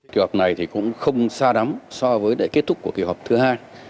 kỳ họp này cũng không xa đắm so với lệ kết thúc của kỳ họp thứ hai